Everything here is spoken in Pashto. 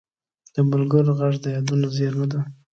د ملګرو غږ د یادونو زېرمه ده